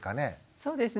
そうですね